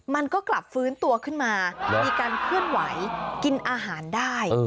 มันก็กลับฟื้นตัวขึ้นมามีการเคลื่อนไหวกินอาหารได้